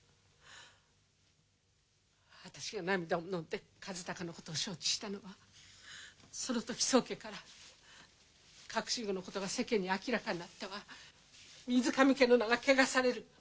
私が涙をのんで和鷹のことを承知したのはそのとき宗家から隠し子のことが世間に明らかになったら水上家の名が汚される。